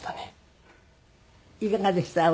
いかがでした？